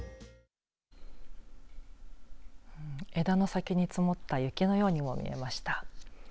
枝の先に積もった雪のようにも見えました。